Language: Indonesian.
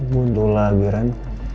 butuh lagi ren